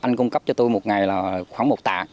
anh cung cấp cho tôi một ngày là khoảng một tạ